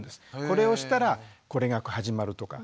これをしたらこれが始まるとか。